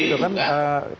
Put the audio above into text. ya pengalaman begitu kan